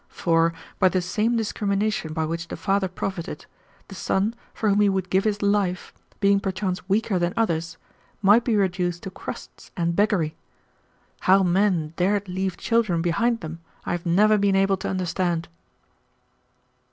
For, by the same discrimination by which the father profited, the son, for whom he would give his life, being perchance weaker than others, might be reduced to crusts and beggary. How men dared leave children behind them, I have never been able to understand."